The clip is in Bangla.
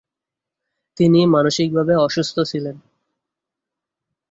তিনি মানসিকভাবে অসুস্থ ছিলেন।